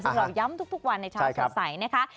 ซึ่งเราย้ำทุกวันในชาวสวสัยนะคะ